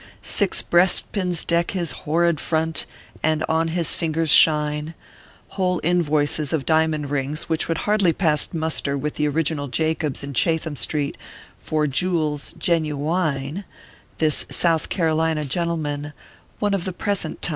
Six breastpins deck his horrid front : and on his fingers shine Whole invoices of diamond rings, which would hardly pass muster with the Original Jacobs in Chatham street, for jewels gen u iue This South Carolina gentleman, One of the present time.